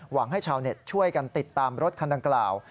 ให้ชาวเน็ตช่วยกันติดตามรถคันดังกล่าว